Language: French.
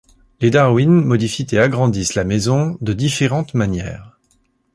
Les Darwin modifient et agrandissent la maison de différentes manières.